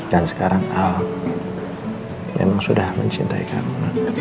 dan sekarang al memang sudah mencintai kamu